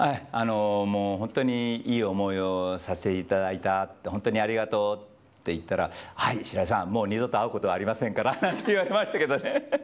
もう本当に、いい思いをさせていただいたって、本当にありがとうって言ったら、はい、白井さん、もう二度と会うことはありませんからって言われましたけどね。